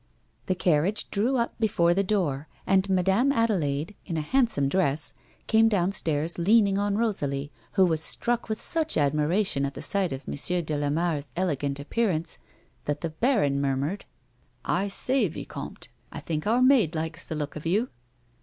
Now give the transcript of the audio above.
The carriage drew up before the door and Madame Adelaide, in a handsome dress, came downstairs leaning on Eosalie who was struck with such admiration at the sight of M, de Lamare's elegant appearance, that the baron murmured, " I say, vicomte, I think our maid likes the look of you."